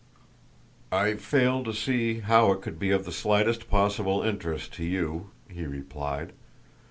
"I fail to see how it could be of the slightest possible interest to you," he replied.